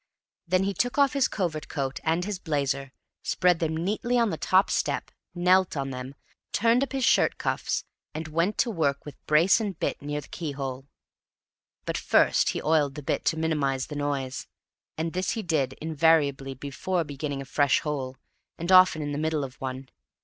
Then he took off his covert coat and his blazer, spread them neatly on the top step knelt on them turned up his shirt cuffs and went to work with brace and bit near the key hole. But first he oiled the bit to minimize the noise, and this he did invariably before beginning a fresh hole, and often in the middle of one.